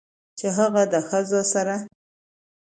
چې هغه د ښځو سره